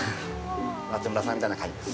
松村さんみたいな感じです。